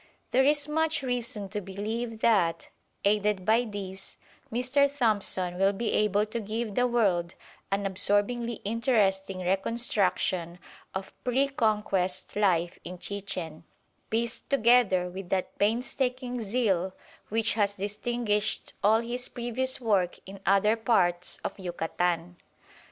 There is much reason to believe that, aided by these, Mr. Thompson will be able to give the world an absorbingly interesting reconstruction of pre Conquest life in Chichen, pieced together with that painstaking zeal which has distinguished all his previous work in other parts of Yucatan.